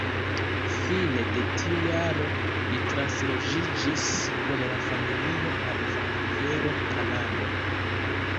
Fine de tiu jaro li transloĝiĝis kun la familio al Vankuvero, Kanado.